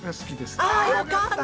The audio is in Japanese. よかった。